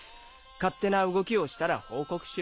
勝手な動きをしたら報告しろと。